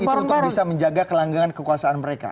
itu untuk bisa menjaga kelanggangan kekuasaan mereka